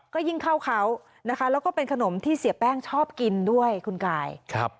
ก็ยิ่งเข้าเขานะคะแล้วก็เป็นขนมที่เสียแป้งชอบกินด้วยคุณกาย